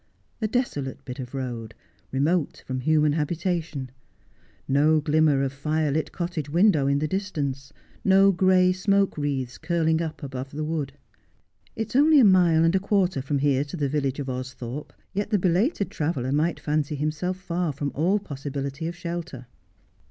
A desolate bit of road, remote from human habitation ; no glimmer of fire lit cottage window in the distance ; no gray smoke wreaths curling up above the wood. It is only a mile and a quarter from here to the village of Austhorpe, yet the belated traveller might fancy himself far from all possibility of shelter.